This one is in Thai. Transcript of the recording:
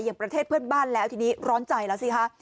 อย่างประเทศเพื่อนบ้านแล้วทีนี้ร้อนใจแล้วสิคะ